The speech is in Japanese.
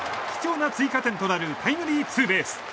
貴重な追加点となるタイムリーツーベース。